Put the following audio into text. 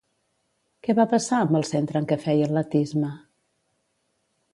Què va passar amb el centre en què feia atletisme?